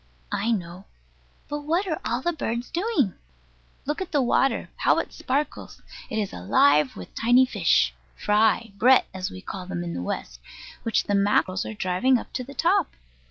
I know: but what are all the birds doing? Look at the water, how it sparkles. It is alive with tiny fish, "fry," "brett" as we call them in the West, which the mackerel are driving up to the top.